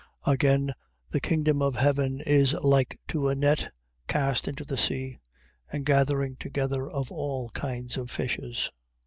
13:47. Again the kingdom of heaven is like to a net cast into the sea, and gathering together of all kinds of fishes.